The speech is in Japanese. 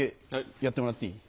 やってもらっていい？